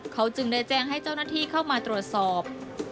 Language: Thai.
เขาจึงได้แจ้งให้เจ้าหน้าที่เข้ามาตรวจสอบ